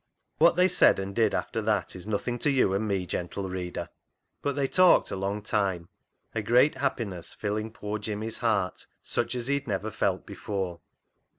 What they said and did after that is nothing to you and me, gentle reader, but they talked a long time, a great happiness filling poor Jimmy's heart, such as he had never felt before.